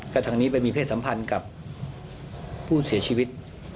ทางนี้ไปมีเพศสัมพันธ์กับผู้เสียชีวิต